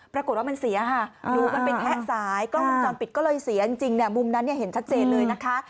ปรากฏว่ามันเสียค่ะหนูมันไปแทะสายกล้องวงจรปิดก็เลยเสียจริงมุมนั้นเห็นชัดเจนเลยนะคะ